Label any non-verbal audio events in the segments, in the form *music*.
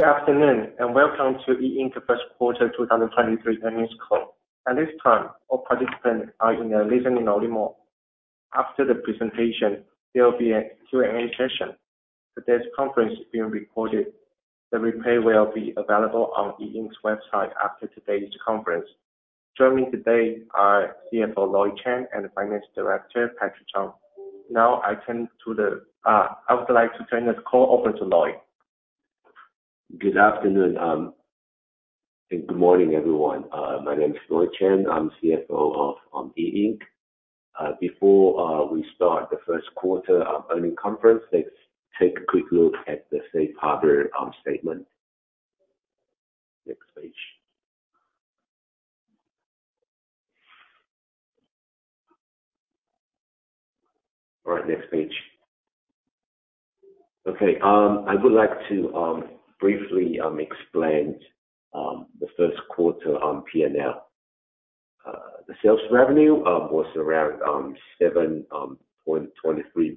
Good afternoon, welcome to E Ink First Quarter 2023 Earnings Call. At this time, all participants are in a listen only mode. After the presentation, there will be a Q&A session. Today's conference is being recorded. The replay will be available on E Ink's website after today's conference. Joining me today are CFO Lloyd Chen and Finance Director Patrick Chong. I would like to turn this call over to Lloyd. Good afternoon, and good morning, everyone. My name is Lloyd Chen, I'm CFO of E Ink. Before we start the first quarter earning conference, let's take a quick look at the safe harbor statement. Next page. All right, next page. Okay. I would like to briefly explain the first quarter P&L. The sales revenue was around 7.23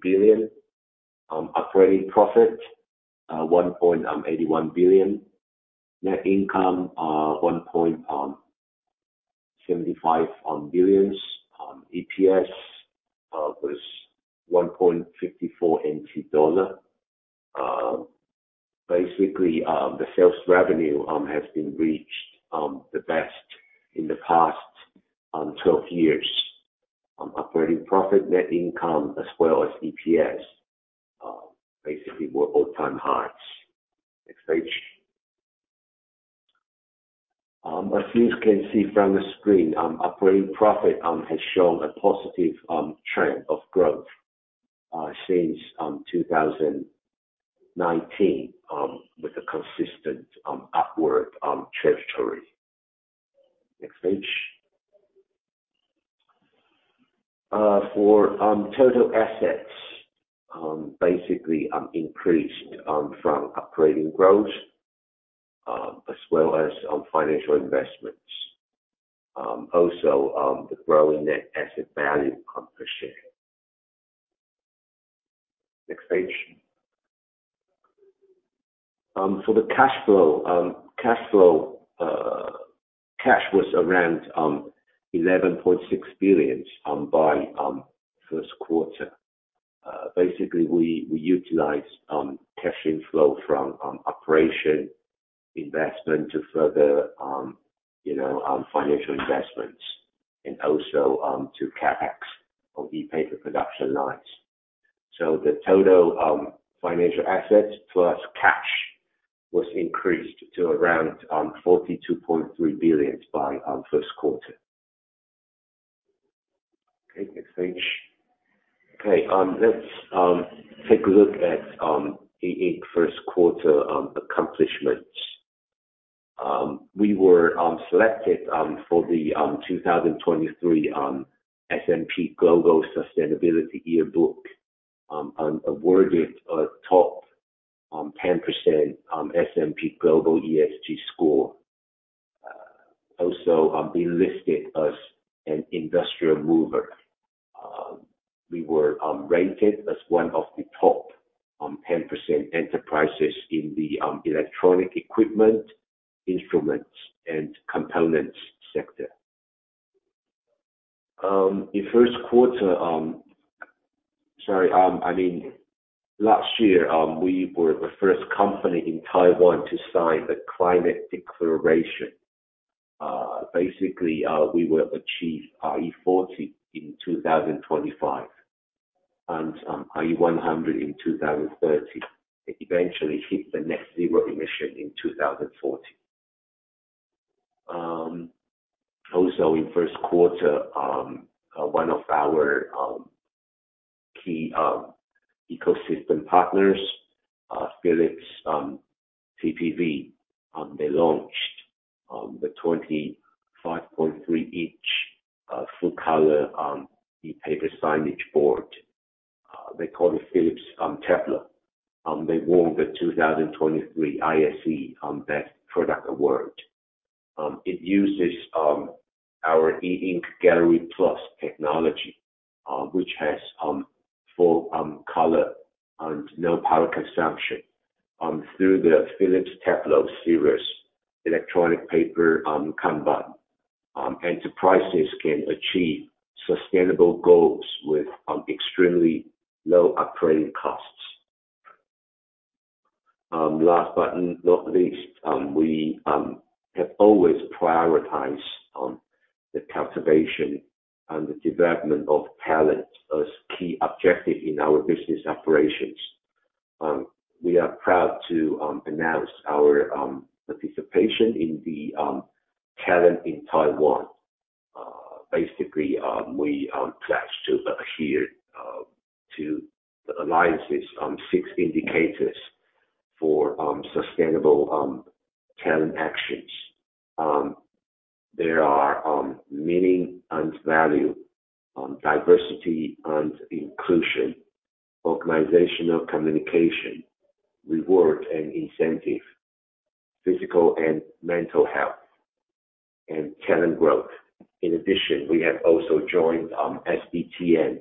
billion. Operating profit, 1.81 billion. Net income, 1.75 billion. EPS was 1.54 NT dollar. Basically, the sales revenue has been reached the best in the past 12 years. Operating profit, net income, as well as EPS, basically were all-time highs. Next page. *audio distortion* the screen, operating profit has shown a positive trend of growth since 2019, with a consistent upward trajectory. Next page. For total assets, basically increased from operating growth as well as financial investments, also the growing net asset value per share. Next page. For the cash flow, cash was around $11.6 billion by first quarter. Basically we utilized cash flow from operation investment to further, you know, financial investments and also to CapEx of the paper production lines. So the total financial assets plus cash was increased to around $42.3 billion by first quarter. Okay, next page. Okay. Let's take a look at E Ink first quarter accomplishments. We were selected for the 2023 S&P Global Sustainability Yearbook and awarded a top 10% S&P Global ESG score. They listed us an industrial mover. We were ranked as one of the top 10% enterprises in the electronic equipment, instruments, and components sector. Last year, we were the first company in Taiwan to sign the climate declaration. Basically, we will achieve RE40 in 2025 and RE100 in 2030. Eventually hit the Net Zero emission in 2040. Also in first quarter, one of our key ecosystem partners, Philips, [PPDS], they launched the 25.3 inch full color ePaper signage board. They call it Philips Tableaux. They won the 2023 ISE on Best Product Award. It uses our E Ink Gallery Plus technology, which has full color and no power consumption. Through the Philips Tableaux series electronic paper, Kanban, enterprises can achieve sustainable goals with extremely low operating costs. Last but not least, we have always prioritized the cultivation and the development of talent as key objective in our business operations. We are proud to announce our participation in the TALENT, in Taiwan. Basically, we pledge to adhere to the alliances on six indicators for sustainable talent actions. There are meaning and value, diversity and inclusion, organizational communication, reward and incentive, physical and mental health, and talent growth. In addition, we have also joined SBTN,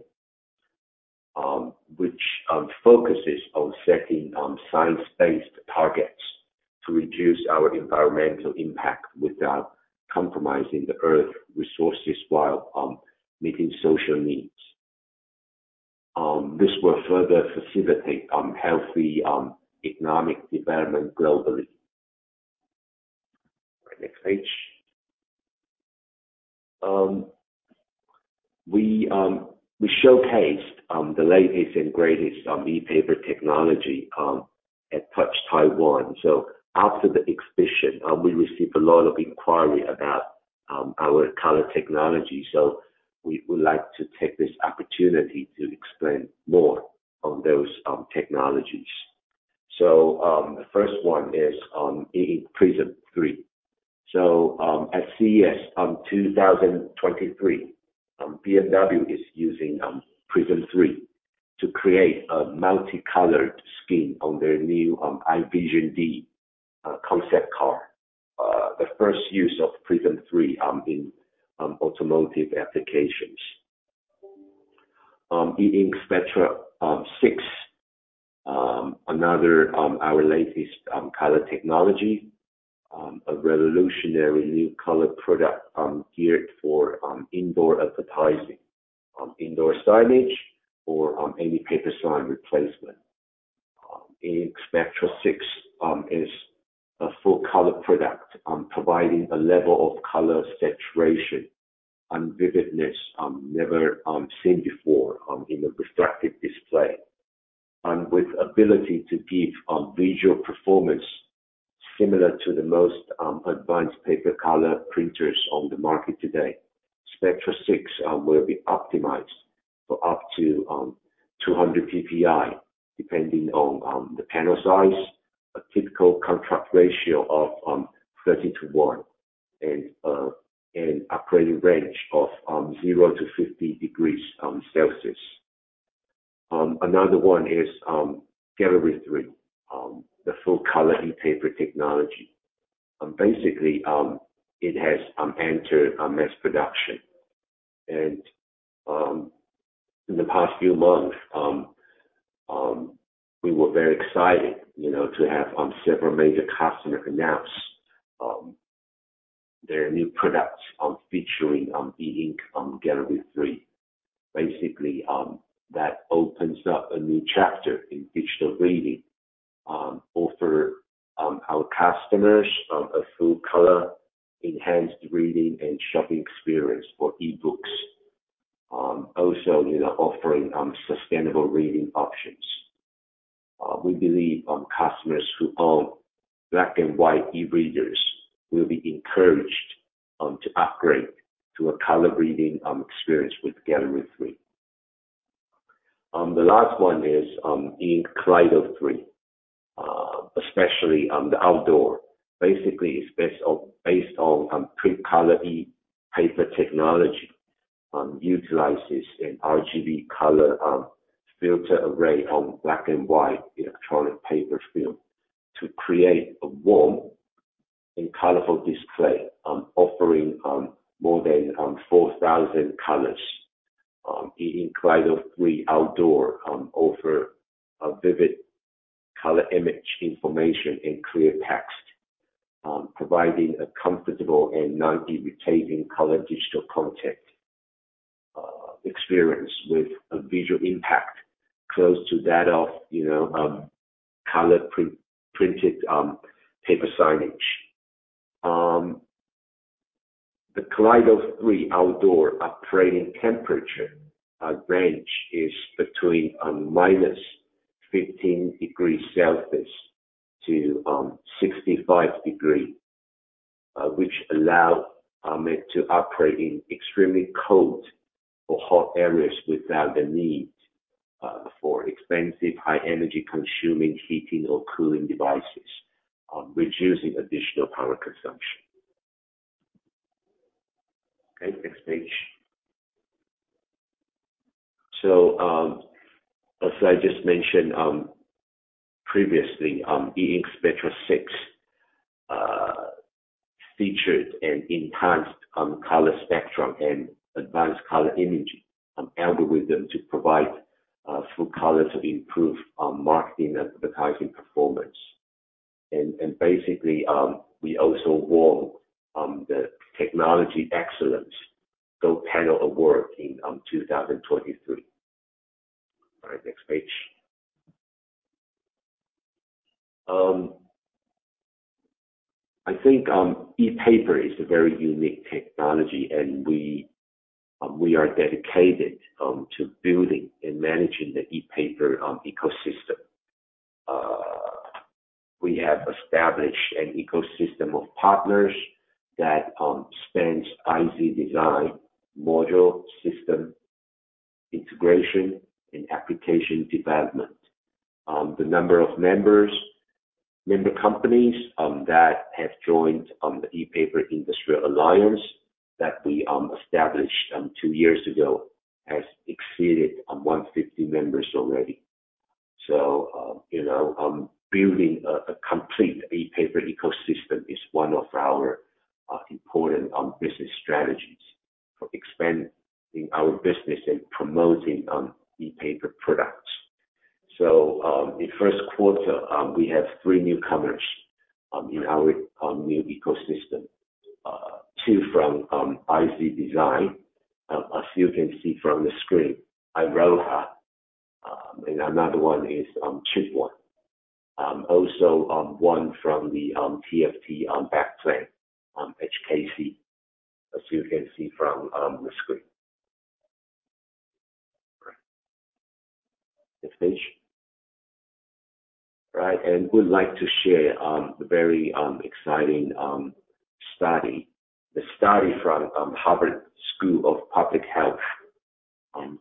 which focuses on setting science-based targets to reduce our environmental impact without compromising the Earth resources while meeting social needs. This will further facilitate healthy economic development globally. All right, next page. We showcased the latest and greatest on ePaper technology at Touch Taiwan. After the exhibition, we received a lot of inquiry about our color technology. We would like to take this opportunity to explain more on those technologies. The first one is E Ink Prism 3. At CES, 2023, BMW is using Prism 3 to create a multicolored scheme on their new i Vision Dee concept car. The first use of Prism 3 in automotive applications. E Ink Spectra 6, another our latest color technology. A revolutionary new color product geared for indoor advertising, indoor signage or any paper sign replacement. E Ink Spectra 6 is a full-color product providing a level of color saturation and vividness never seen before in a reflective display. With ability to give visual performance similar to the most advanced paper color printers on the market today. Spectra 6 will be optimized for up to 200 PPI, depending on the panel size, a typical contract ratio of 30 to 1, and an operating range of 0-50 degrees Celsius. Another one is Gallery 3, the full color ePaper technology. Basically, it has entered a mass production. In the past few months, we were very excited, you know, to have several major customer announce their new products featuring E Ink Gallery 3. Basically, that opens up a new chapter in digital reading, offer our customers a full-color enhanced reading and shopping experience for e-books. Also, you know, offering sustainable reading options. We believe customers who own black and white eReaders will be encouraged to upgrade to a color reading experience with Gallery 3. The last one is E Ink Kaleido 3, especially on the Outdoor. It's based on print color ePaper technology, utilizes an RGB color filter array on black and white ePaper film to create a warm and colorful display, offering more than 4,000 colors. E Ink Kaleido 3 Outdoor offer a vivid color image information and clear text, providing a comfortable and non-irritating color digital content experience with a visual impact close to that of color print-printed paper signage. The Kaleido 3 Outdoor operating temperature range is between -15 degrees Celsius to 65 degree, which allow it to operate in extremely cold or hot areas without the need for expensive, high energy consuming heating or cooling devices, reducing additional power consumption. Okay, Next page. As I just mentioned, previously, E Ink Spectra 6 featured an enhanced color spectrum and advanced color imaging algorithm to provide full colors to improve marketing advertising performance. And basically, we also won the Technology Excellence Gold Panel Award in 2023. All right, Next page. I think ePaper is a very unique technology, and we are dedicated to building and managing the ePaper ecosystem. We have established an ecosystem of partners that spans IC design, module system integration, and application development. The number of members, member companies, that have joined the ePaper Industry Alliance that we established two years ago, has exceeded 150 members already. You know, building a complete ePaper ecosystem is one of our important business strategies for expanding our business and promoting ePaper products. In first quarter, we have three newcomers in our new ecosystem. Two from IC design. As you can see from the screen, IROHA. And another one is Chipone. Also, one from the TFT backplane, HKC, as you can see from the screen. Right. Next page. Right. We'd like to share the very exciting study. The study from Harvard School of Public Health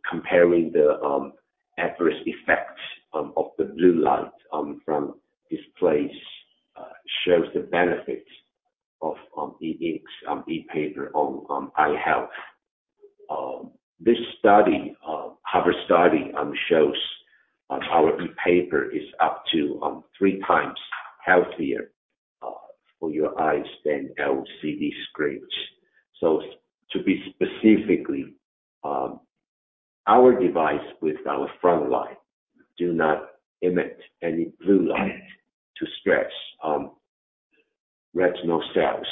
comparing the adverse effects of the blue light from displays shows the benefits of E Ink's ePaper on eye health. This study, Harvard study, shows how ePaper is up to three times healthier for your eyes than LCD screens. To be specifically, our device with our front light do not emit any blue light to stress retinal cells.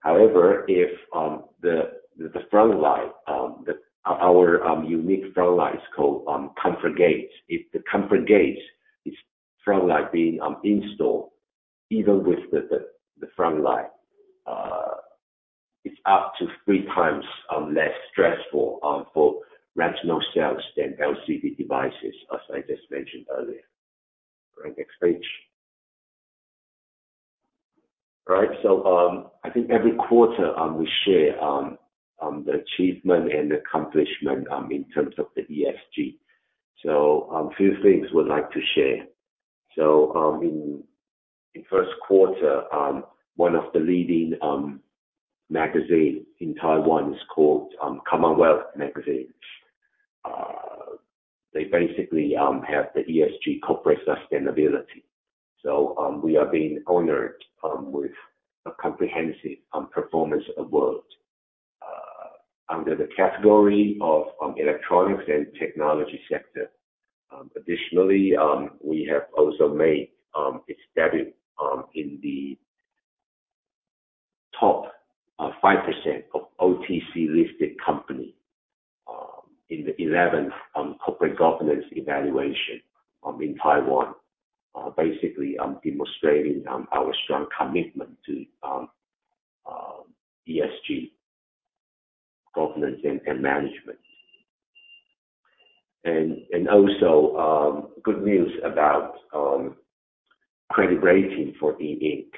However, if the front light, our unique front light is called ComfortGaze. If the ComfortGaze is front light being installed, even with the front light, it's up to three times less stressful for retinal cells than LCD devices, as I just mentioned earlier. All right, next page. All right. I think every quarter, we share the achievement and accomplishment in terms of the ESG. Few things we'd like to share. In first quarter, one of the leading magazine in Taiwan is called CommonWealth Magazine. They basically have the ESG corporate sustainability. We are being honored with a comprehensive performance award under the category of electronics and technology sector. Additionally, we have also made a debut in the top 5% of OTC-listed company in the 11th corporate governance evaluation in Taiwan. Basically, demonstrating our strong commitment to ESG governance and management. Also, good news about credit rating for E Ink.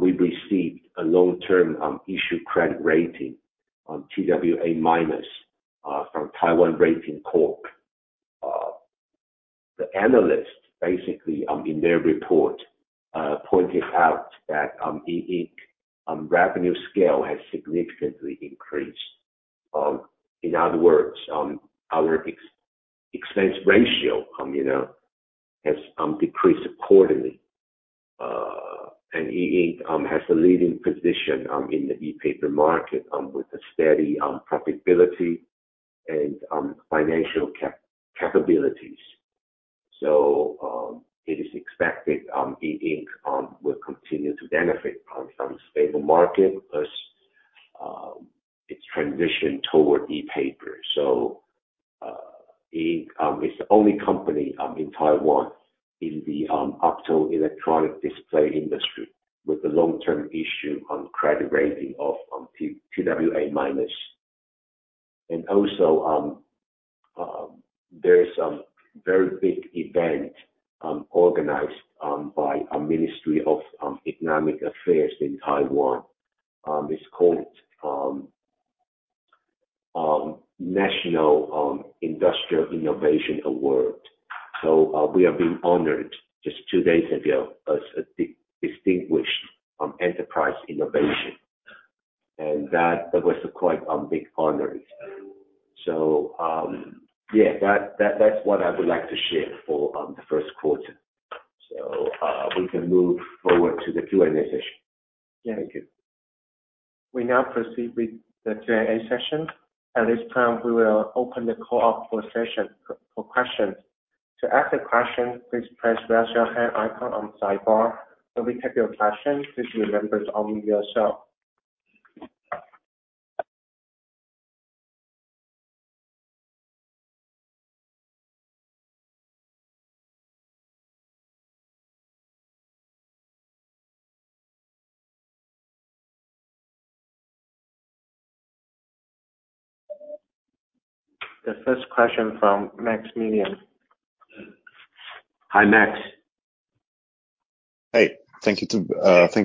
We've received a long-term issue credit rating, twA-, from Taiwan Ratings Corp. The analyst basically in their report pointed out that E Ink revenue scale has significantly increased. In other words, our expense ratio, you know, has decreased accordingly. E Ink has a leading position in the ePaper market with a steady profitability and financial capabilities. It is expected E Ink will continue to benefit from stable market as its transition toward ePaper. E Ink is the only company in Taiwan in the optoelectronic display industry with a long-term issue credit rating of twA-. Also, there is some very big event organized by a Ministry of Economic Affairs in Taiwan, is called National Industrial Innovation Award. We have been honored just two days ago as a distinguished enterprise innovation. That was quite big honors. That's what I would like to share for the first quarter. We can move forward to the Q&A session. Yeah. Thank you. We now proceed with the Q&A session. At this time, we will open the call up for session for questions. To ask a question, please press raise your hand icon on the sidebar. When we take your question, please remember to unmute yourself. The first question from Max Media. Hi, Max. Hey. Thank you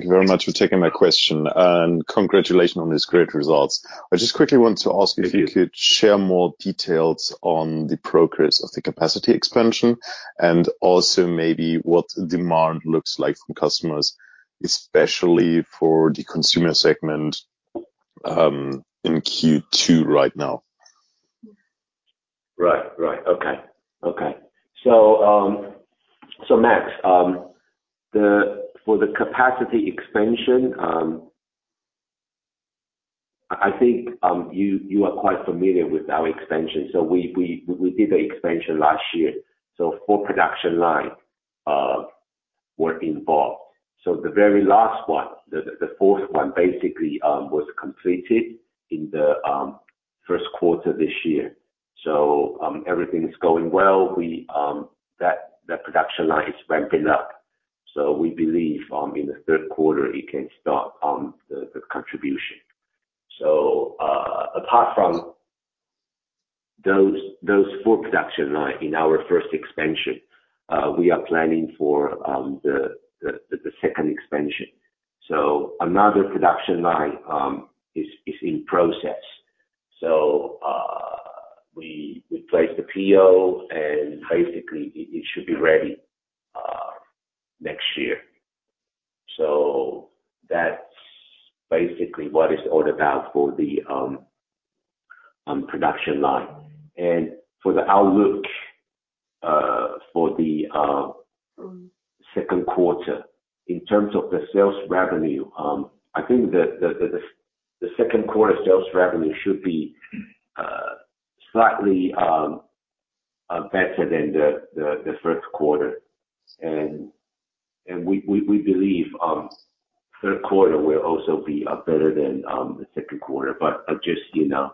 very much for taking my question, and congratulations on these great results. I just quickly want to ask if you could share more details on the progress of the capacity expansion and also maybe what demand looks like from customers, especially for the consumer segment in Q2 right now. Right. Right. Okay. Okay. Max, for the capacity expansion, I think, you are quite familiar with our expansion. We did the expansion last year, so four production lines were involved. The very last one, the fourth one, basically, was completed in the first quarter this year. Everything is going well. The production line is ramping up, we believe, in the third quarter it can start, the contribution. Apart from those four production line in our first expansion, we are planning for the second expansion. Another production line is in process. We placed the PO and basically it should be ready, next year. That's basically what is all about for the production line. For the outlook for the second quarter, in terms of the sales revenue, I think the second quarter sales revenue should be slightly better than the first quarter. We believe third quarter will also be better than the second quarter, but just, you know,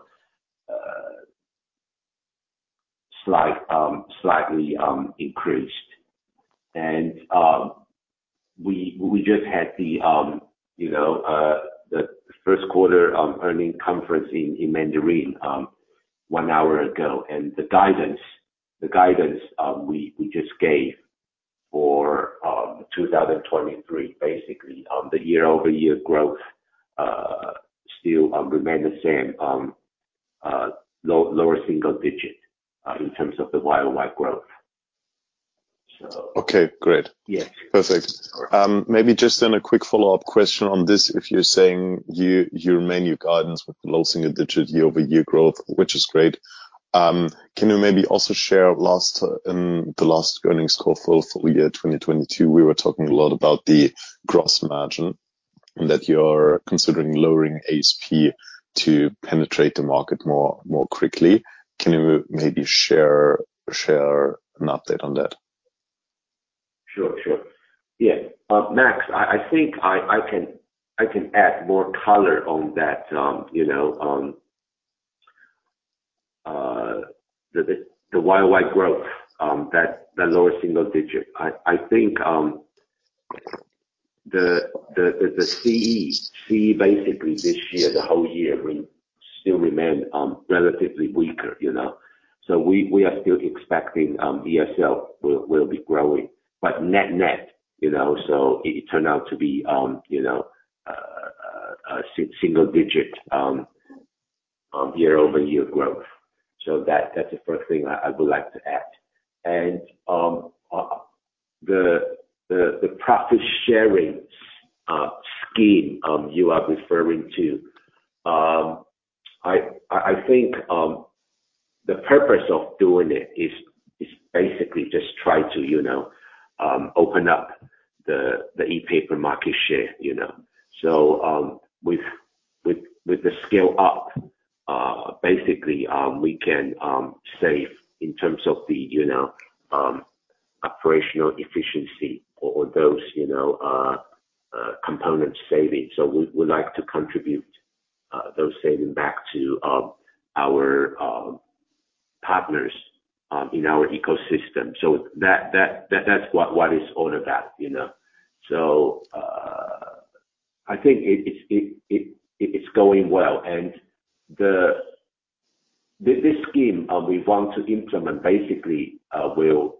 slightly increased. We just had the, you know, the first quarter earning conference in Mandarin one hour ago. The guidance we just gave for 2023, basically, the year-over-year growth still remain the same, lower single digit, in terms of the YoY growth. Okay, great. Yeah. Perfect. Maybe just then a quick follow-up question on this. If you're saying you remain your guidance with low single digit year-over-year growth, which is great. Can you maybe also share last, the last earnings call for full-year 2022, we were talking a lot about the gross margin that you're considering lowering ASP to penetrate the market more quickly. Can you maybe share an update on that? Sure. Sure. Yeah. Max, I think I can add more color on that, you know, on the YoY growth, that lower single-digit. I think the CE basically this year, the whole year still remain relatively weaker, you know. We are still expecting ESL will be growing. Net-net, you know, it turned out to be a single-digit year-over-year growth. That's the first thing I would like to add. The profit sharing scheme you are referring to, I think the purpose of doing it is basically just try to, you know, open up the e-paper market share, you know. With the scale up, basically, we can save in terms of the, you know, operational efficiency or those, you know, component savings. We like to contribute those savings back to our partners in our ecosystem. That's what it's all about, you know. I think it's going well. This scheme we want to implement basically will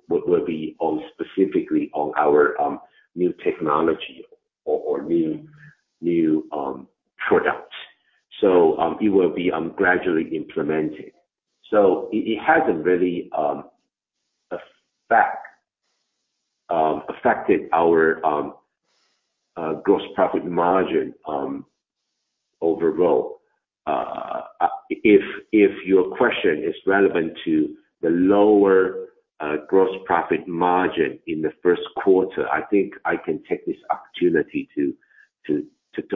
be on specifically on our new technology or new products. It will be gradually implemented. It hasn't really affected our gross profit margin overall. If your question is relevant to the lower gross profit margin in the first quarter, I think I can take this opportunity to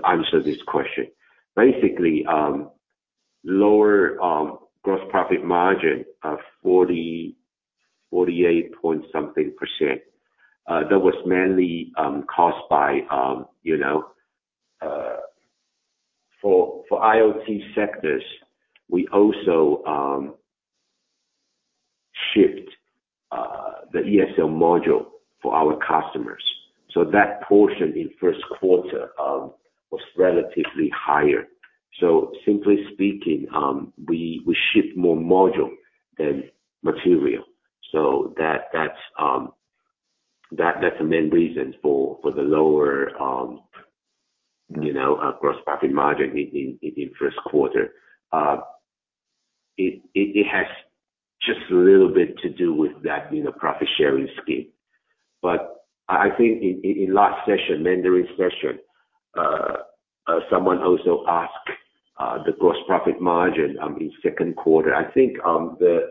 answer this question. Basically, lower gross profit margin, 48 point something percent, that was mainly caused by, you know, for IoT sectors, we also shift the ESL module for our customers. That portion in first quarter was relatively higher. Simply speaking, we ship more module than material. That's the main reasons for the lower, you know, gross profit margin in first quarter. It has just a little bit to do with that, you know, profit-sharing scheme. I think in last session, Mandarin session, someone also ask the gross profit margin in second quarter. I think the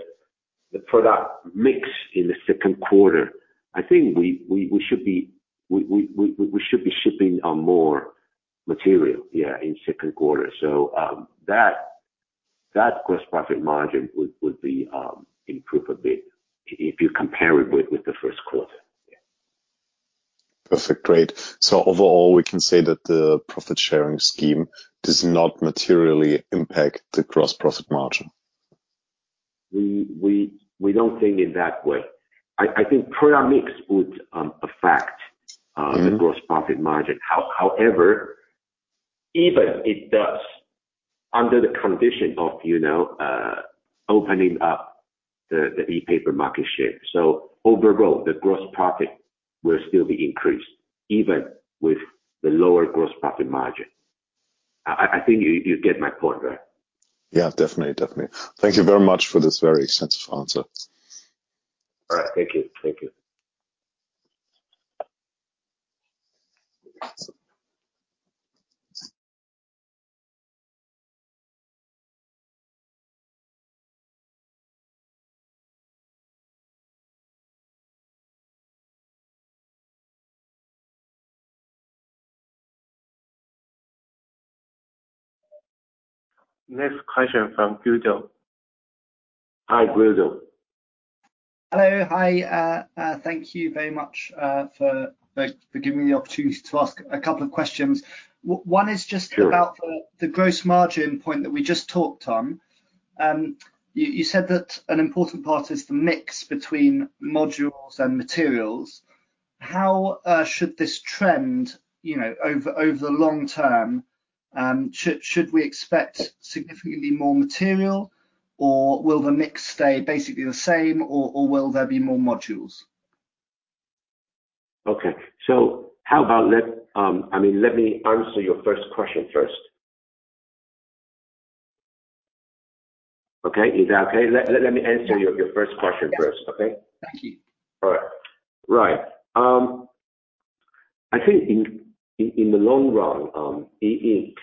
product mix in the second quarter, I think we should be shipping more material, yeah, in second quarter. That gross profit margin would be improved a bit if you compare it with the first quarter. Yeah. Perfect. Great. Overall, we can say that the profit-sharing scheme does not materially impact the gross profit margin. We don't think in that way. I think product mix would affect-. Mm-hmm. The gross profit margin. However, even if it does, under the condition of, you know, opening up the e-paper market share. Overall, the gross profit will still be increased even with the lower gross profit margin. I think you get my point there. Yeah, definitely. Definitely. Thank you very much for this very extensive answer. All right. Thank you. Thank you. Next question from Guido. Hi, Guido. Hello. Hi. Thank you very much for giving me the opportunity to ask a couple of questions. One is just about. Sure. The gross margin point that we just talked on. You said that an important part is the mix between modules and materials. How should this trend, you know, over the long term, should we expect significantly more material, or will the mix stay basically the same, or will there be more modules? Okay. How about I mean, let me answer your first question first. Okay. Is that okay? Let me answer your first question first. Yeah. Okay? Thank you. All right. Right. I think in the long run, E Ink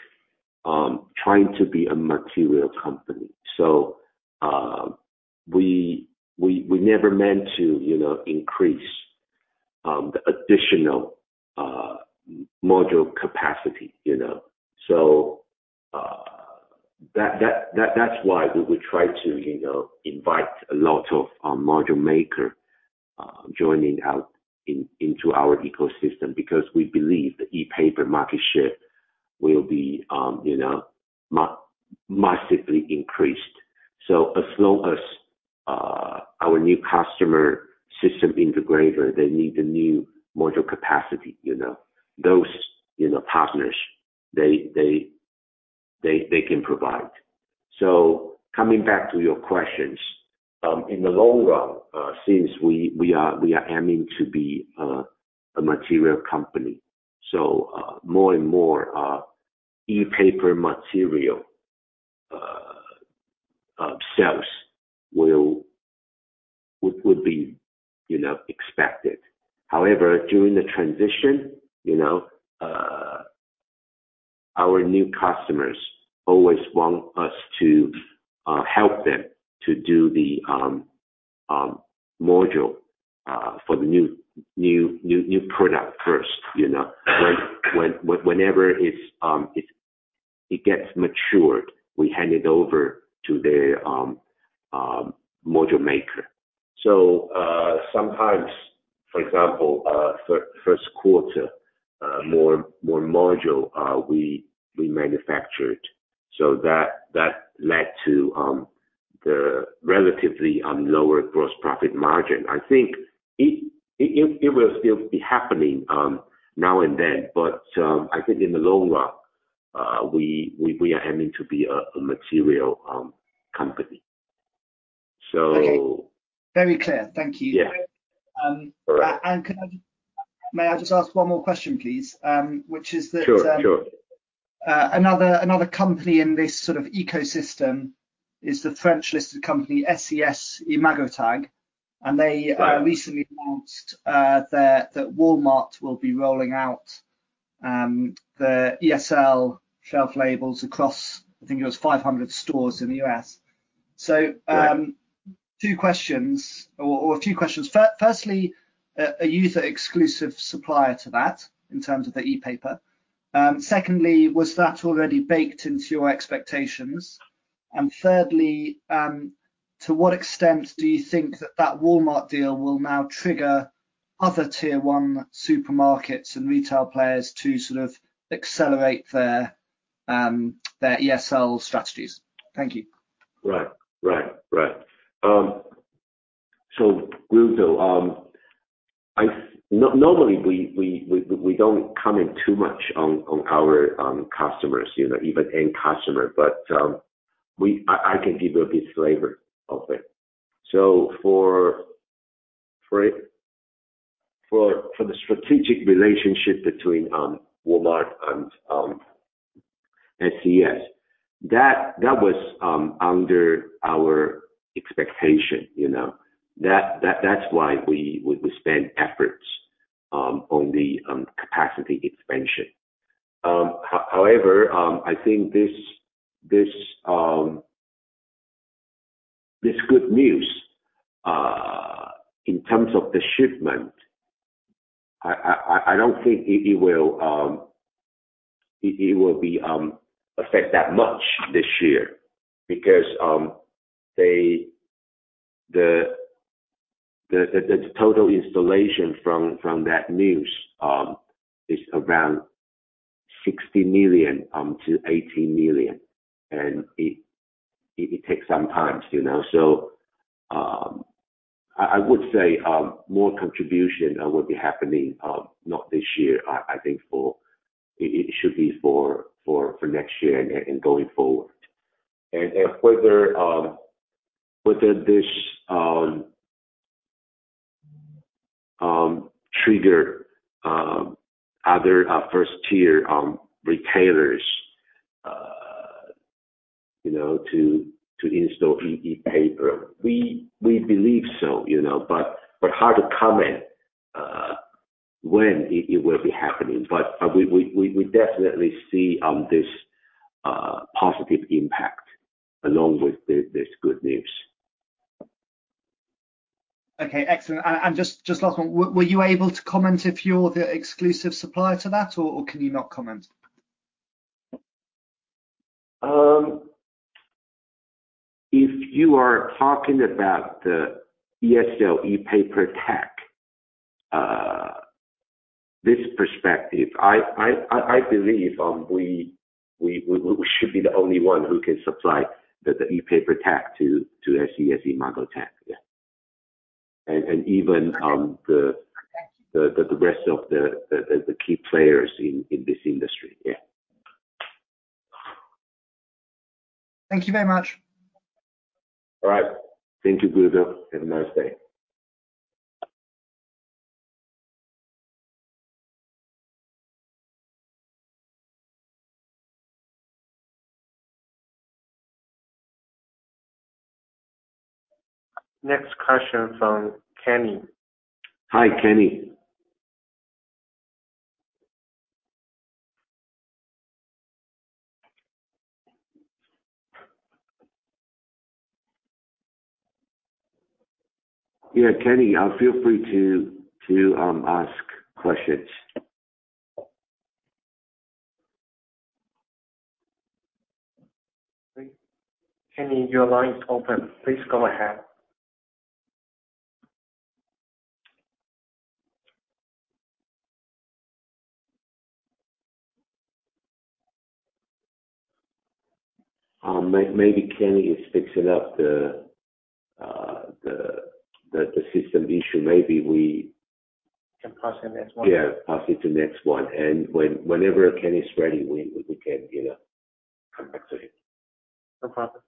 trying to be a material company. We never meant to, you know, increase the additional module capacity, you know. That's why we would try to, you know, invite a lot of module maker joining into our ecosystem because we believe the ePaper market share will be, you know, massively increased. As long as our new customer system integrator, they need the new module capacity, you know. Those, you know, partners, they can provide. Coming back to your questions, in the long run, since we are aiming to be a material company, more and more ePaper material sales will... would be, you know, expected. However, during the transition, you know, our new customers always want us to help them to do the module for the new product first, you know. Whenever it's, it gets matured, we hand it over to the module maker. Sometimes, for example, first quarter, more module we manufactured. That led to the relatively lower gross profit margin. I think it will still be happening now and then, but I think in the long run, we are aiming to be a material company. Okay. Very clear. Thank you. Yeah. May I just ask one more question, please? Which is that. Sure, sure. another company in this sort of ecosystem is the French-listed company SES-imagotag. They recently announced that Walmart will be rolling out the ESL shelf labels across, I think it was 500 stores in the U.S. Right. Two questions or a few questions. Firstly, are you the exclusive supplier to that in terms of the ePaper? Secondly, was that already baked into your expectations? Thirdly, to what extent do you think that Walmart deal will now trigger other tier one supermarkets and retail players to sort of accelerate their ESL strategies? Thank you. Right. Right. Right. Guido, normally, we don't comment too much on our customers, you know, even end customer. I can give you a bit flavor of it. For the strategic relationship between Walmart and SES. That was under our expectation, you know. That's why we spent efforts on the capacity expansion. However, I think this good news in terms of the shipment, I don't think it will be affect that much this year because the total installation from that news is around 60 million to 80 million, and it takes some time, you know. I would say more contribution will be happening not this year. I think it should be for next year and going forward. Whether this trigger other first-tier retailers, you know, to install ePaper, we believe so, you know. Hard to comment when it will be happening. We definitely see this positive impact along with this good news. Okay. Excellent. Just last one. Were you able to comment if you're the exclusive supplier to that or can you not comment? If you are talking about the ESL ePaper tag, this perspective I believe, we should be the only one who can supply the ePaper tag to SES-imagotag. Yeah. Even, the rest of the key players in this industry. Yeah. Thank you very much. All right. Thank you, Guido. Have a nice day. Next question from Kenny. Hi, Kenny. Yeah, Kenny, feel free to ask questions. Kenny, your line is open. Please go ahead. Maybe Kenny is fixing up the system issue. Maybe we can pass to next one. Yeah. Pass it to next one. Whenever Kenny is ready, we can, you know, come back to him. No problem.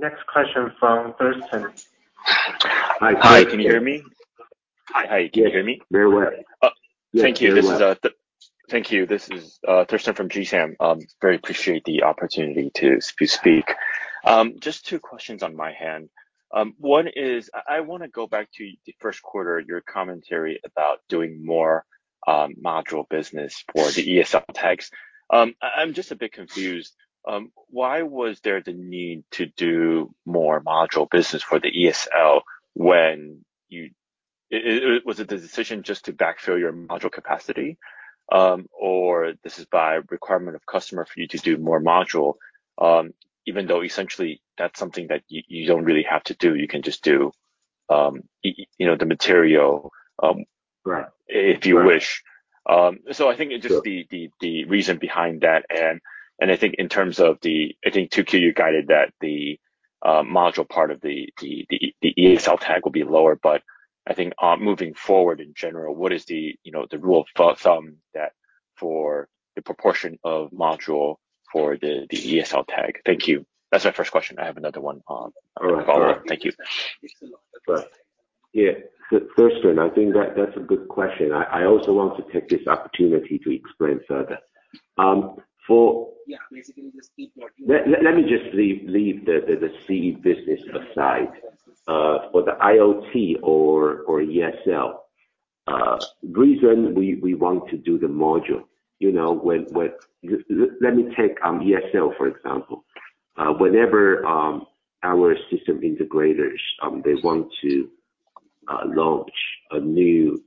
Next question from Thurston. Hi. Hi. Can you hear me? Hi. Hi. Can you hear me? Very well. Oh. Thank you. This is- Very well. Thank you. This is Thurston from GSAM. very appreciate the opportunity to speak. Just two questions on my hand. one is I wanna go back to the 1st quarter, your commentary about doing more module business for the ESL tags. I'm just a bit confused. why was there the need to do more module business for the ESL when you Was it the decision just to backfill your module capacity, or this is by requirement of customer for you to do more module, even though essentially that's something that you don't really have to do, you can just do, you know, the material. Right. -if you wish. So I think it's just the- Sure. The reason behind that. I think in terms of the... I think 2Q you guided that the module part of the ESL tag will be lower. I think, moving forward in general, what is the, you know, the rule of thumb that for the proportion of module for the ESL tag? Thank you. That's my first question. I have another one. All right. Thank you. Yeah. Thurston, I think that's a good question. I also want to take this opportunity to explain further. Yeah. Basically just keep talking. Let me just leave the CE business aside. For the IoT or ESL reason, we want to do the module, you know, when... Let me take ESL, for example. Whenever our system integrators, they want to launch a new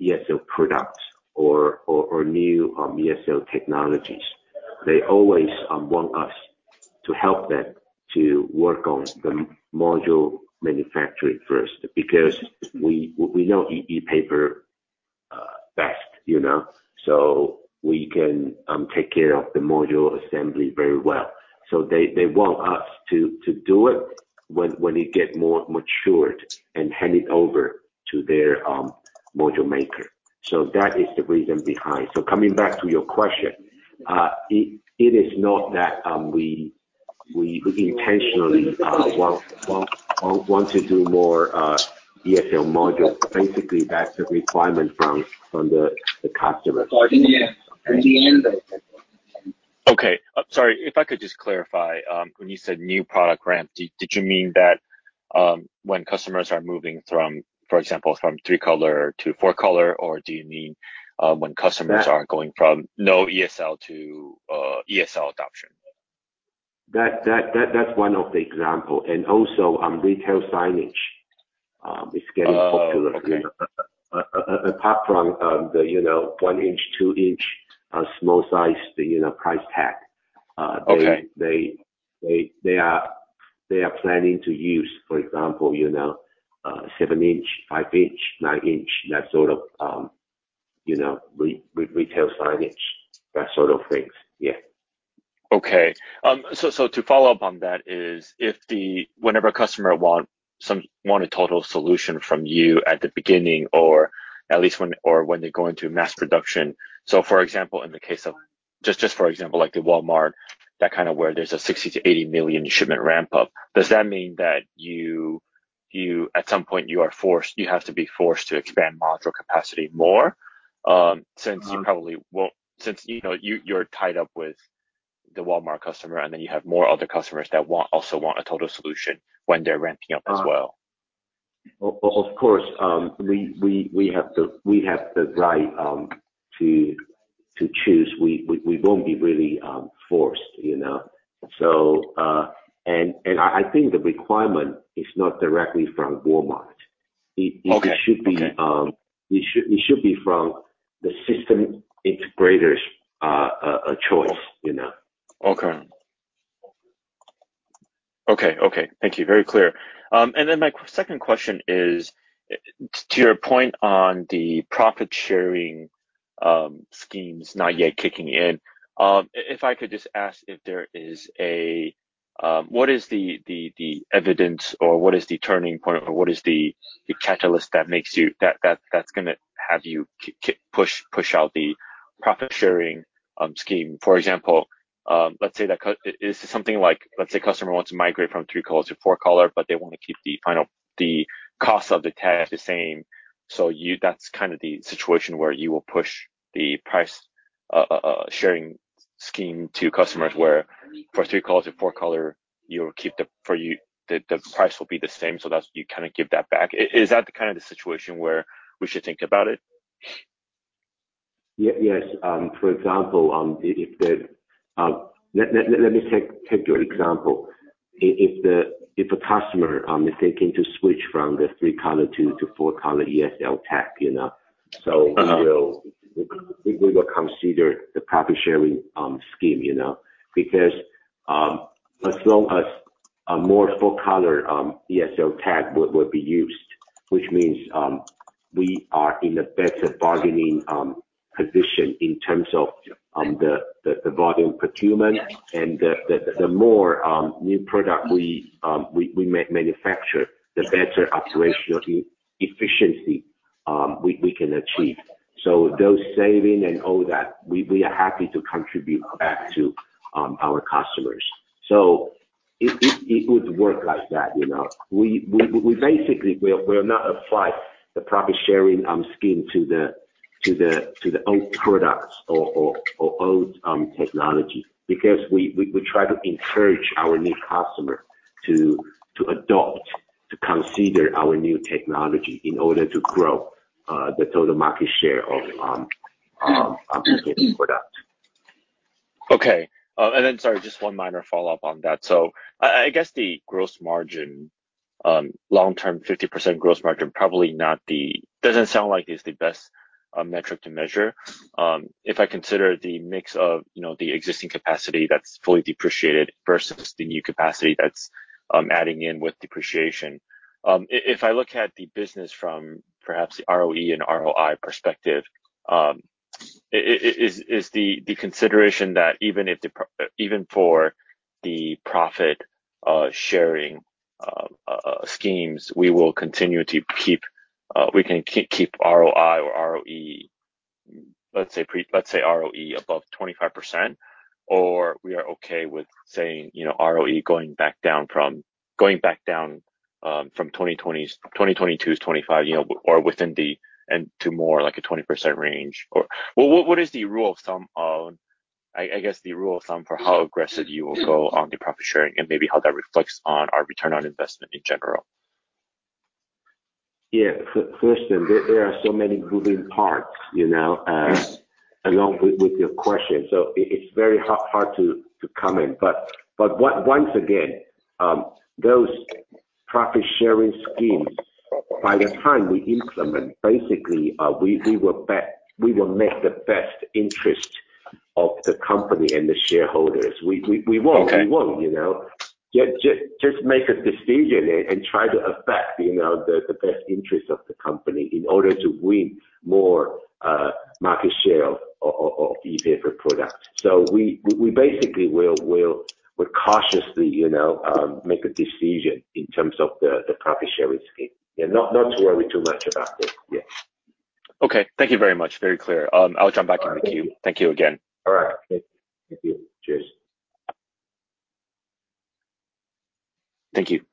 ESL product or new ESL technologies, they always want us to help them to work on the module manufacturing first. Because we know ePaper. You know, so we can take care of the module assembly very well. So they want us to do it when it get more matured and hand it over to their module maker. That is the reason behind. Coming back to your question, it is not that we intentionally want to do more ESL modules. Basically, that's a requirement from the customer. Okay. Sorry, if I could just clarify, when you said new product ramp, did you mean that, when customers are moving from, for example, from three-color to four color, or do you mean, when customers are going from no ESL to ESL adoption? That's one of the example. Also, retail signage. Oh, okay. is getting popular. Apart from, the, you know, one-inch, two-inch, small size, you know, price tag. Okay. They are planning to use, for example, you know, seven-inch, five-inch, nine-inch, that sort of, you know, retail signage, that sort of things. Yeah. Okay. To follow up on that is whenever a customer want a total solution from you at the beginning, or at least when, or when they go into mass production. For example, in the case of Just for example, like the Walmart, that kind of where there's a 60 million-80 million shipment ramp up, does that mean that you at some point you are forced, you have to be forced to expand module capacity more, since you probably, you know, you're tied up with the Walmart customer, and then you have more other customers that also want a total solution when they're ramping up as well. Of course, we have the right to choose. We won't be really forced, you know. And I think the requirement is not directly from Walmart. Okay. Okay. It should be from the system integrator's choice, you know. Okay. Okay. Okay. Thank you. Very clear. My second question is, to your point on the profit sharing schemes not yet kicking in, if I could just ask if there is a... What is the evidence or what is the turning point or what is the catalyst that makes you that's gonna have you push out the profit sharing scheme? For example, let's say Is it something like, let's say customer wants to migrate from 3-color to 4-color, but they wanna keep the final, the cost of the tag the same. That's kind of the situation where you will push the price sharing scheme to customers where for 3-color to 4-color, you'll keep the price will be the same, so that's, you kind of give that back. Is that the kind of the situation where we should think about it? Yes. For example, if a customer is thinking to switch from the 3-color to 4-color ESL tag, you know, we will consider the profit sharing scheme, you know. As long as a more 4-color ESL tag would be used, which means we are in a better bargaining position in terms of the volume procurement. The more new product we manufacture, the better operational efficiency we can achieve. Those saving and all that, we are happy to contribute back to our customers. It would work like that, you know. We basically, we'll not apply the profit sharing scheme to the old products or old technology because we try to encourage our new customer to adopt, to consider our new technology in order to grow the total market share of existing product. Okay. Sorry, just one minor follow-up on that. I guess the gross margin, long-term 50% gross margin probably doesn't sound like it's the best metric to measure. If I consider the mix of, you know, the existing capacity that's fully depreciated versus the new capacity that's adding in with depreciation. If I look at the business from perhaps the ROE and ROI perspective, is the consideration that even for the profit sharing schemes, we will continue to keep ROI or ROE, let's say ROE above 25%, or we are okay with saying, you know, ROE going back down from 2022's 25%, you know, or within the, and to more like a 20% range? What is the rule of thumb, I guess the rule of thumb for how aggressive you will go on the profit sharing and maybe how that reflects on our return on investment in general? Yeah. First, there are so many moving parts, you know, along with your question, so it's very hard to comment. Once again, those profit sharing schemes, by the time we implement, basically, we will make the best interest of the company and the shareholders. We won't. Okay. We won't, you know. Just make a decision and try to affect, you know, the best interest of the company in order to win more market share of ePaper products. We basically would cautiously, you know, make a decision in terms of the profit sharing scheme. Yeah, not to worry too much about it. Yeah. Okay. Thank you very much. Very clear. I'll jump back in the queue. All right. Thank you again. All right. Thank you. Cheers. Thank you.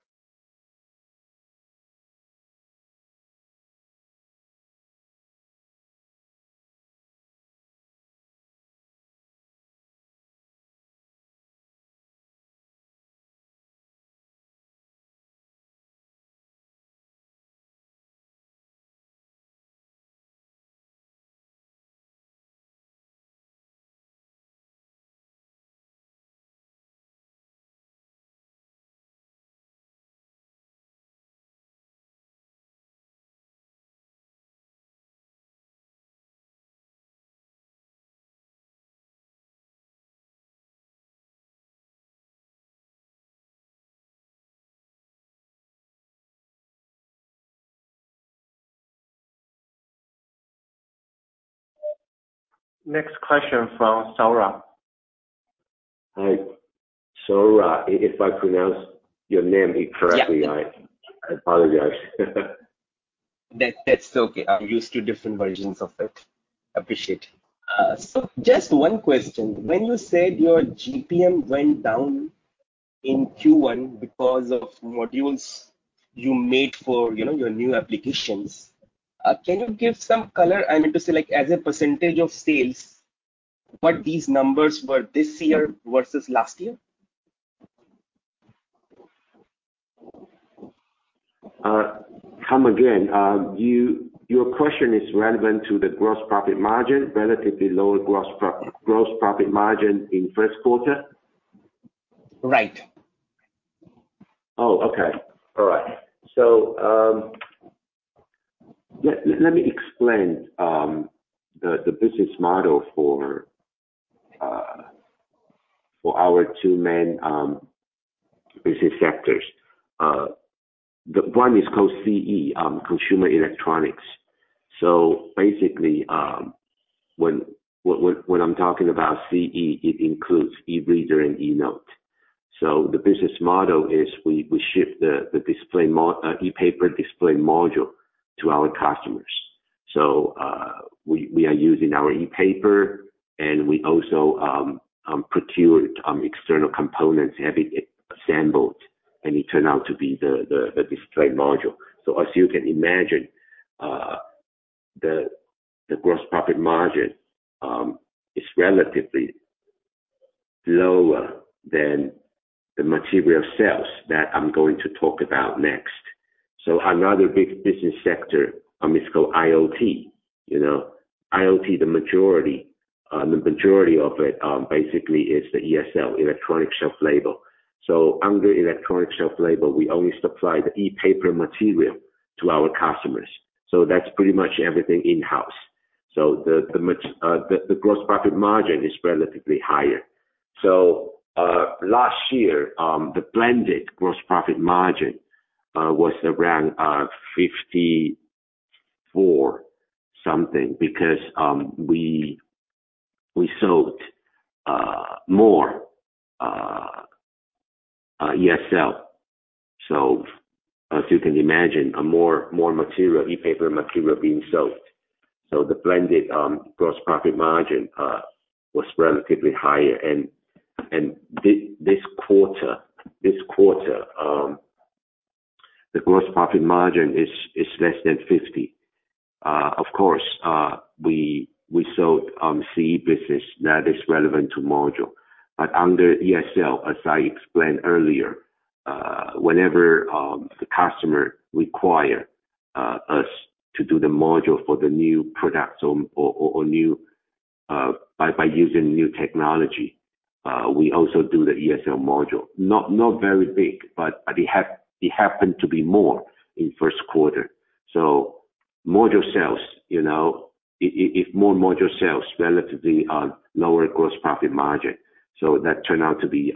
Next question from Saurabh. Hi, Saurabh. If I pronounce your name incorrectly- Yeah, yeah. I apologize. That, that's okay. I'm used to different versions of it. Appreciate. Just one question. When you said your GPM went down in Q1 because of modules you made for, you know, your new applications, can you give some color, I mean, to say, like, as a percentage of sales, what these numbers were this year versus last year? Come again. Your question is relevant to the gross profit margin, relatively lower gross profit margin in first quarter? Right. Okay. All right. Let me explain the business model for our two main business sectors. The one is called CE, consumer electronics. Basically, when I'm talking about CE, it includes eReader and eNote. The business model is we ship the display e-paper display module to our customers. We are using our e-paper, and we also procure external components, having it assembled, and it turn out to be the display module. As you can imagine, the gross profit margin is relatively lower than the material sales that I'm going to talk about next. Another big business sector is called IoT, you know. IoT, the majority, the majority of it, basically is the ESL, electronic shelf label. Under electronic shelf label, we only supply the e-paper material to our customers. That's pretty much everything in-house. The gross profit margin is relatively higher. Last year, the blended gross profit margin was around 54 something because we sold more ESL. As you can imagine, more material, e-paper material being sold. The blended gross profit margin was relatively higher. This quarter, the gross profit margin is less than 50%. Of course, we sold CE business that is relevant to module. Under ESL, as I explained earlier, whenever the customer require us to do the module for the new products or new by using new technology, we also do the ESL module. Not very big, but it happened to be more in first quarter. Module sales, you know, if more module sales relatively lower gross profit margin. That turned out to be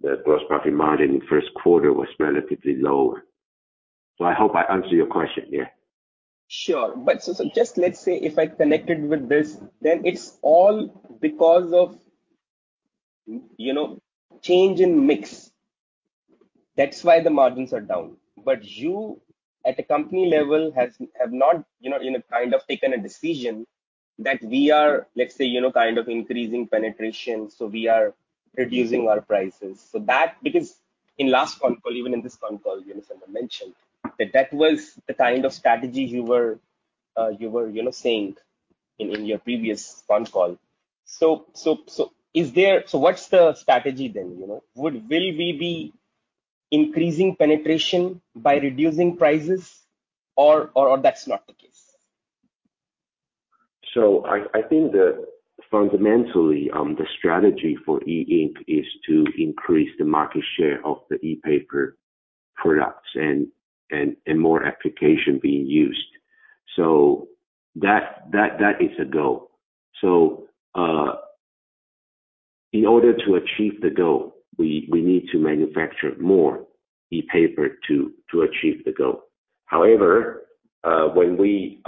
the gross profit margin in first quarter was relatively lower. I hope I answered your question, yeah. Sure. so just let's say if I connected with this, then it's all because of, you know, change in mix. That's why the margins are down. You at a company level have not, you know, kind of taken a decision that we are, let's say, you know, kind of increasing penetration, so we are reducing our prices. That because in last call, even in this call, you know, Sandra mentioned that that was the kind of strategy you were, you were, you know, saying in your previous call. Is there... What's the strategy then, you know? Will we be increasing penetration by reducing prices or that's not the case? I think that fundamentally, the strategy for E Ink is to increase the market share of the ePaper products and more application being used. That is the goal. In order to achieve the goal, we need to manufacture more ePaper to achieve the goal. However, when we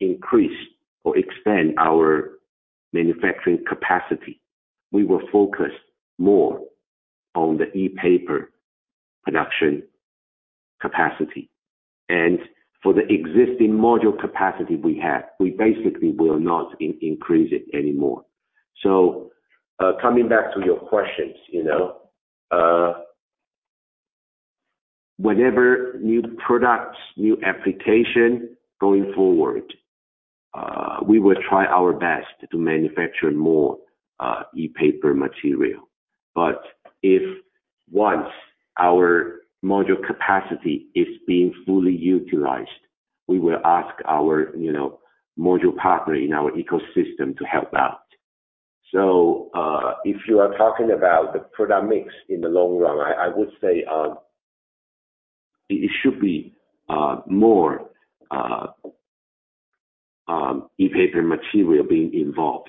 increase or expand our manufacturing capacity, we will focus more on the ePaper production capacity. For the existing module capacity we have, we basically will not increase it anymore. Coming back to your questions, you know. Whenever new products, new application going forward, we will try our best to manufacture more ePaper material. If once our module capacity is being fully utilized, we will ask our, you know, module partner in our ecosystem to help out. If you are talking about the product mix in the long run, I would say, it should be more ePaper material being involved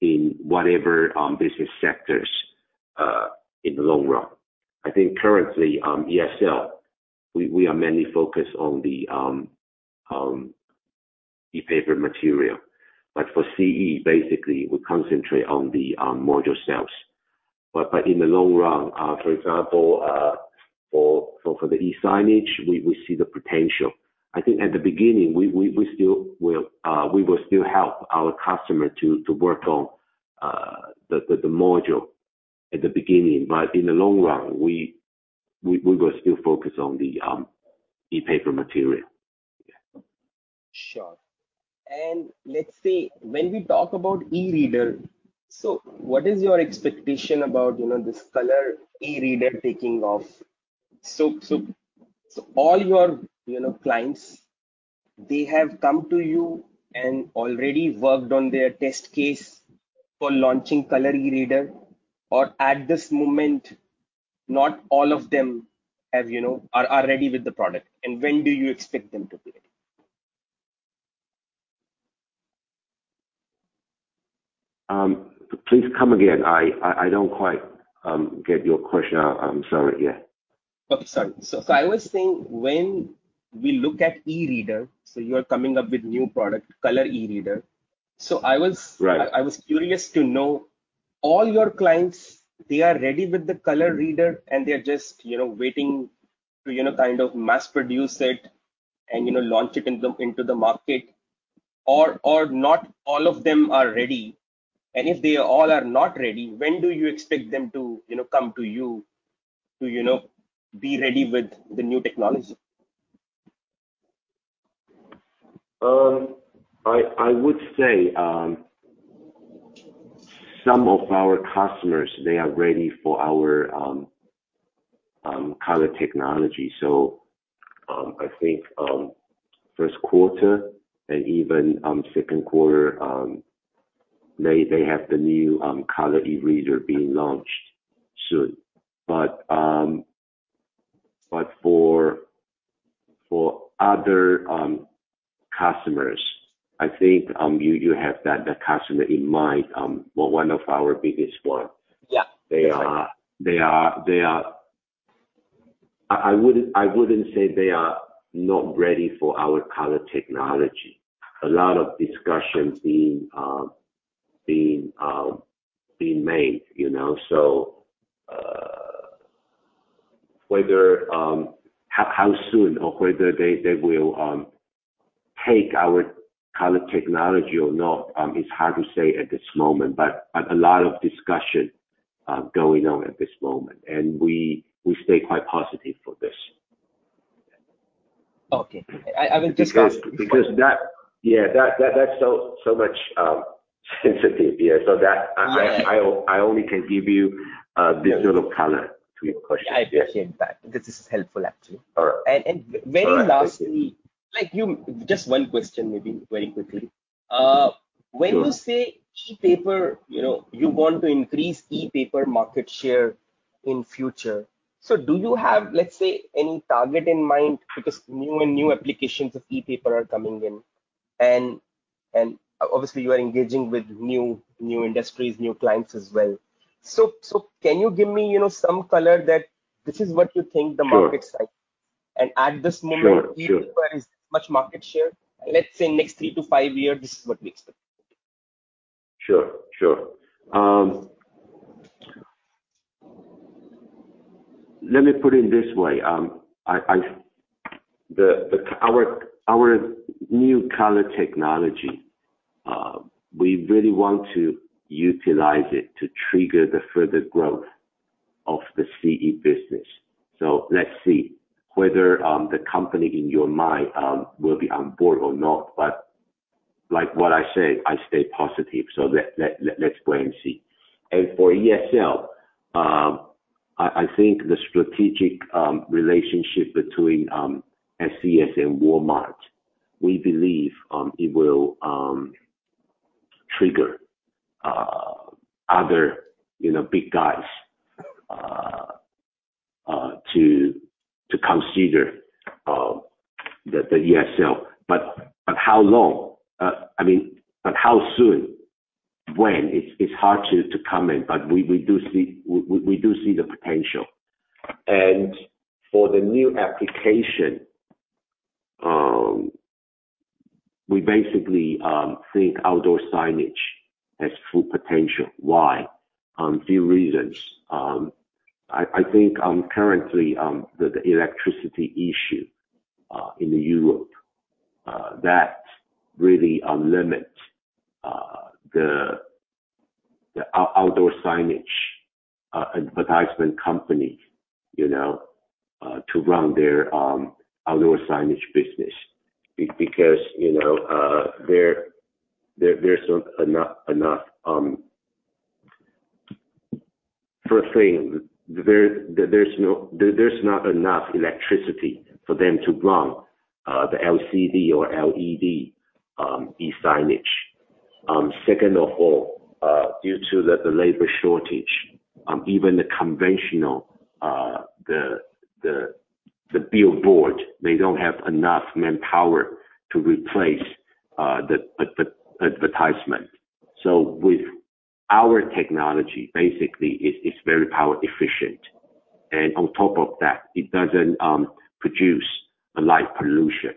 in whatever business sectors in the long run. I think currently, ESL, we are mainly focused on the ePaper material. For CE, basically, we concentrate on the module sales. In the long run, for example, for the e-signage, we see the potential. I think at the beginning, we still will, we will still help our customer to work on the module at the beginning. In the long run, we will still focus on the ePaper material. Yeah. Sure. Let's say when we talk about eReader, what is your expectation about, you know, this color eReader taking off? All your, you know, clients, they have come to you and already worked on their test case for launching color eReader, or at this moment, not all of them have, you know, are ready with the product? When do you expect them to be ready? Please come again. I don't quite get your question. I'm sorry. Okay. Sorry. I was saying when we look at eReader, you are coming up with new product, color eReader. Right. I was curious to know, all your clients, they are ready with the color reader, and they are just, you know, waiting to, you know, kind of mass produce it and, you know, launch it into the market? Not all of them are ready? If they all are not ready, when do you expect them to, you know, come to you to, you know, be ready with the new technology? I would say, some of our customers, they are ready for our, color technology. I think, first quarter and even, second quarter, they have the new, color eReader being launched soon. But for other customers, I think, you have that customer in mind, one of our biggest one. Yeah. They are... I wouldn't say they are not ready for our color technology. A lot of discussions being made, you know. Whether how soon or whether they will take our color technology or not is hard to say at this moment. A lot of discussion going on at this moment, and we stay quite positive for this. Okay. I will discuss- Because that, yeah, that's so much sensitive. Yeah. Right. I only can give you this little color to your question. Yeah, I appreciate that. This is helpful, actually. All right. Very lastly, like you. Just one question, maybe very quickly. When you say ePaper, you know, you want to increase ePaper market share in future. Do you have, let's say, any target in mind? New applications of ePaper are coming in, and obviously, you are engaging with new industries, new clients as well. Can you give me, you know, some color that this is what you think the market size? Sure. At this moment. Sure, sure. ePaper is much market share. Let's say next 3-5 years, this is what we expect. Sure, sure. Let me put it this way. Our new color technology, we really want to utilize it to trigger the further growth of the CE business. Let's see whether the company in your mind will be on board or not. Like what I said, I stay positive. Let's wait and see. For ESL, I think the strategic relationship between SES and Walmart, we believe it will trigger other, you know, big guys, to consider the ESL. But how long? I mean, but how soon? When? It's hard to comment, but we do see the potential. For the new application, we basically think outdoor signage has full potential. Why? Few reasons. I think currently the electricity issue in Europe that really limits the outdoor signage advertisement company, you know, to run their outdoor signage business. Because, you know, there's enough. First thing, there's not enough electricity for them to run the LCD or LED eSignage. Second of all, due to the labor shortage, even the conventional billboard, they don't have enough manpower to replace the advertisement. With our technology, basically it's very power efficient. On top of that, it doesn't produce a light pollution.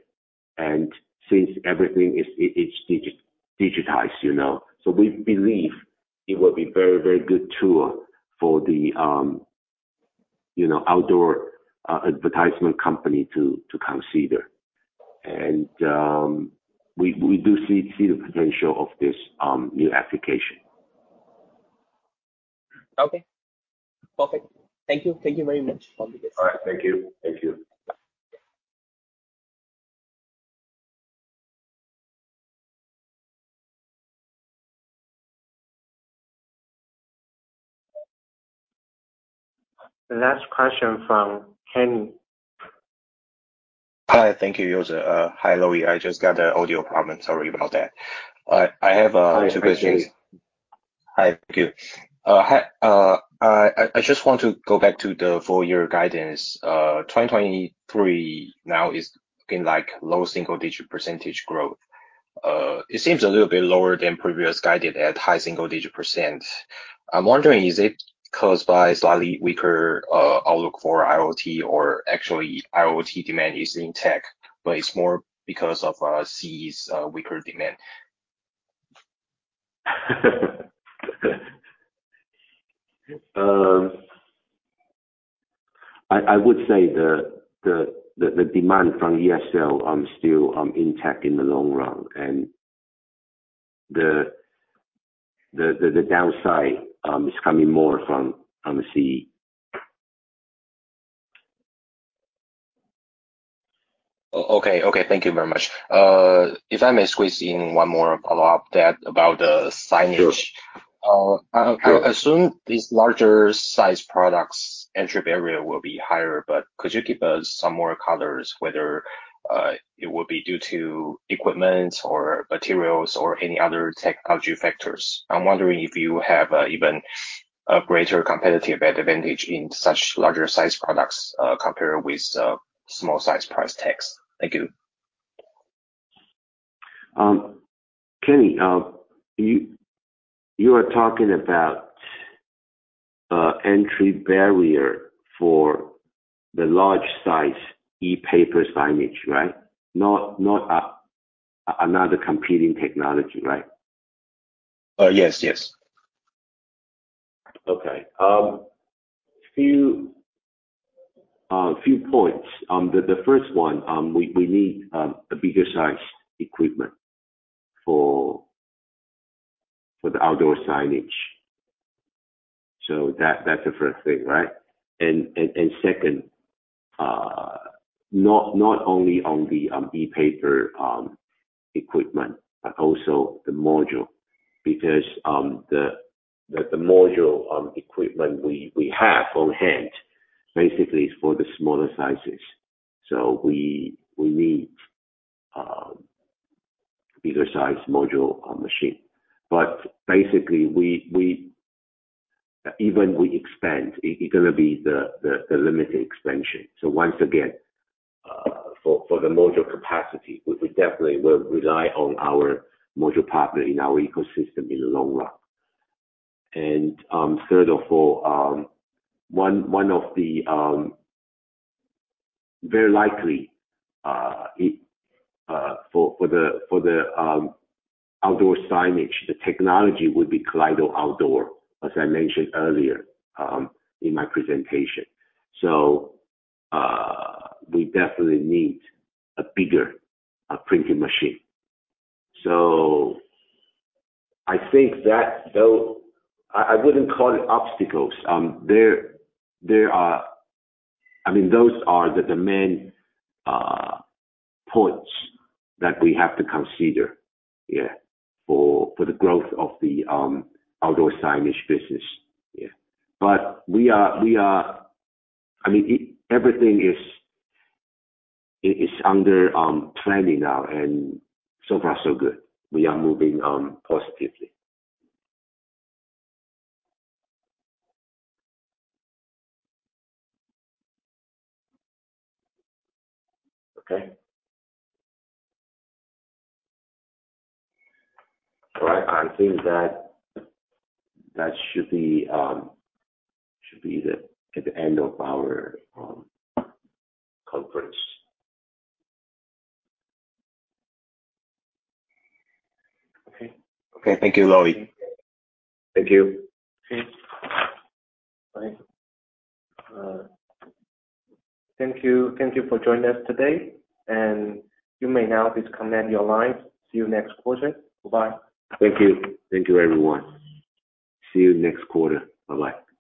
Since everything is digitized, you know, so we believe it will be very, very good tool for the, you know, outdoor advertisement company to consider. We do see the potential of this new application. Okay. Perfect. Thank you. Thank you very much. All right. Thank you. Thank you. The last question from Kenny. Hi. Thank you. *audio distortion* Hi, Lloyd. I just got a audio problem. Sorry about that. I have two questions. Hi. Hi. Thank you. Hi, I just want to go back to the full year guidance. 2023 now is looking like low single-digit percentage growth. It seems a little bit lower than previous guided at high single-digit percentage. I'm wondering, is it caused by slightly weaker outlook for IoT or actually IoT demand is intact, but it's more because of CE's weaker demand? I would say the demand from ESL still intact in the long run. The downside is coming more from CE. Okay. Okay. Thank you very much. If I may squeeze in one more follow-up that about the signage. Sure. I assume these larger size products entry barrier will be higher, but could you give us some more colors whether it would be due to equipment or materials or any other technology factors? I'm wondering if you have even a greater competitive advantage in such larger sized products compared with small-sized price tags. Thank you. Kenny, you are talking about entry barrier for the large size ePaper signage, right? Not another competing technology, right? Yes. Yes. Okay. Few points. The first one, we need a bigger size equipment for the outdoor signage. That's the first thing, right? Second, not only on the ePaper equipment, but also the module. Because the module equipment we have on hand basically is for the smaller sizes. We need bigger size module machine. Basically, even we expand, it's gonna be the limited expansion. Once again, for the module capacity, we definitely will rely on our module partner in our ecosystem in the long run. Third of all, one of the very likely for the outdoor signage, the technology would be Kaleido Outdoor, as I mentioned earlier in my presentation. We definitely need a bigger printing machine. I think that though I wouldn't call it obstacles. I mean, those are the main points that we have to consider for the growth of the outdoor signage business. We are I mean, everything is under planning now, and so far so good. We are moving positively. I think that should be the end of our conference. Okay. Thank you. Thank you. Okay. Bye. Thank you for joining us today, and you may now please disconnect your lines. See you next quarter. Bye-bye. Thank you. Thank you, everyone. See you next quarter. Bye-bye.